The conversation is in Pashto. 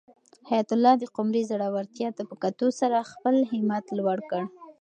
حیات الله د قمرۍ زړورتیا ته په کتو سره خپل همت لوړ کړ.